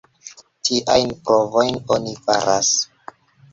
Tiajn provojn oni faras.